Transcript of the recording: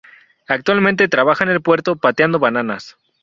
Actualmente trabaja en el puerto pateando bananas.